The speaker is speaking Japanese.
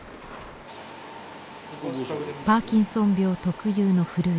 パーキンソン病特有の震え。